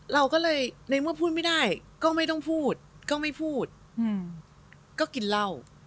เราก็เลยในเมื่อพูดไม่ได้ก็ไม่ต้องพูดก็ไม่พูดก็กินเหล้า